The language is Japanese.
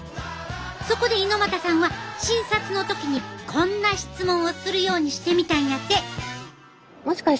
そこで猪又さんは診察の時にこんな質問をするようにしてみたんやて。